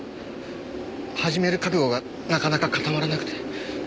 始める覚悟がなかなか固まらなくて。